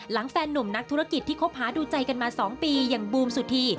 แฟนนุ่มนักธุรกิจที่คบหาดูใจกันมา๒ปีอย่างบูมสุธี